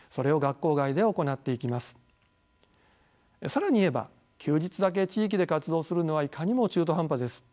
更に言えば休日だけ地域で活動するのはいかにも中途半端です。